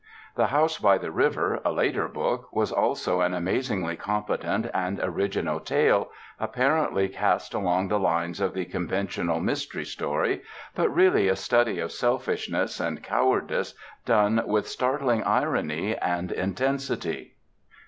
The House by the River, a later book, was also an amazingly competent and original tale, apparently cast along the lines of the conventional "mystery story," but really a study of selfishness and cowardice done with startling irony and intensity.